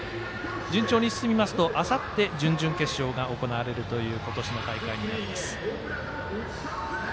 順調に進みますとあさって、準々決勝が行われるという今年の大会になります。